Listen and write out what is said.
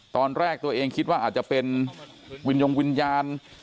ตอนแรกตัวเองคิดว่าอาจจะเป็นวิญญงวิญญาณ